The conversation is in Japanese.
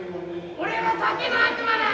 俺は酒の悪魔だ！